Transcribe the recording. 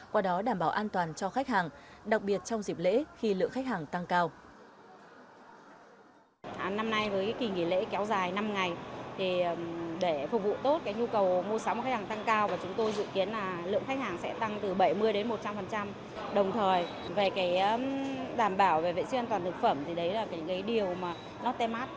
qua đó đảm bảo an toàn cho khách hàng đặc biệt trong dịp lễ khi lượng khách hàng tăng cao